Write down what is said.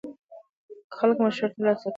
خلک مشورې ترلاسه کړې دي.